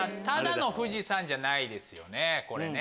ただの富士山じゃないですよね。